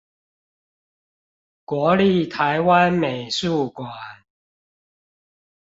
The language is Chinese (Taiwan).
國立臺灣美術館